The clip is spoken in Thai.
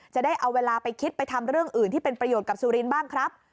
จะได้เอาเวลาไปคิดไปทำเรื่องอื่นที่เป็นประโยชน์กับสุรินทร์บ้างครับ